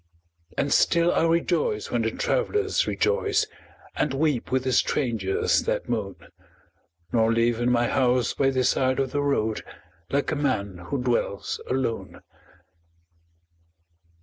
And still I rejoice when the travelers rejoice And weep with the strangers that moan, Nor live in my house by the side of the road Like a man who dwells alone.